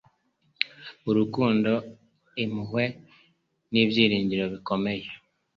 urukundo, impuhwe n'ibyiringiro bikomeye.